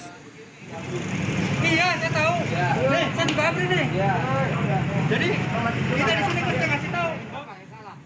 saya juga abri nih jadi kita disini harus dikasih tahu